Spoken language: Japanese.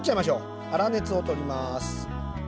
粗熱を取ります。